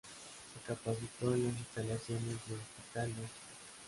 Se capacitó en las instalaciones de Hospital de St.